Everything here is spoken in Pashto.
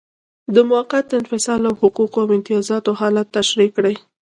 د موقت انفصال او حقوقو او امتیازاتو حالت تشریح کړئ.